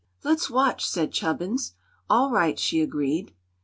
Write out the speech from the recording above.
"Let's watch," said Chubbins. "All right," she agreed.